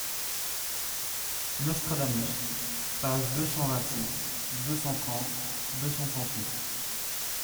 Nostradamus, pages deux cent vingt-six, deux cent trente, deux cent trente-huit.